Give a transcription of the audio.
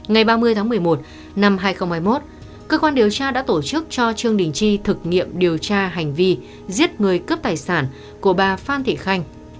ngày ba mươi tháng một mươi một năm hai nghìn hai mươi một cơ quan điều tra đã tổ chức cho trương đình chi thực nghiệm điều tra hành vi giết người cướp tài sản của bà phan thị khanh